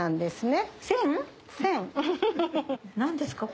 何ですか？